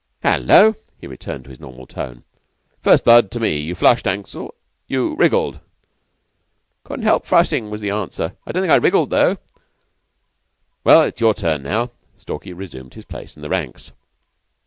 "Hullo!" He returned to his normal tone. "First blood to me. You flushed, Ansell. You wriggled." "Couldn't help flushing," was the answer. "Don't think I wriggled, though." "Well, it's your turn now." Stalky resumed his place in the ranks.